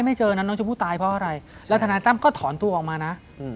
ไม่เจอนั้นน้องชมพู่ตายเพราะอะไรแล้วทนายตั้มก็ถอนตัวออกมานะ